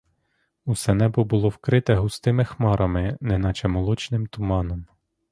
Усе небо було вкрите густими хмарами, неначе молочним туманом.